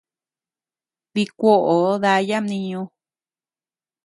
Dikuoo daya mniñu.